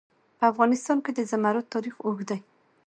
په افغانستان کې د زمرد تاریخ اوږد دی.